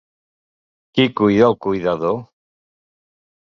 Qui cuida al cuidador?.